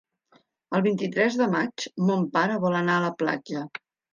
El vint-i-tres de maig mon pare vol anar a la platja.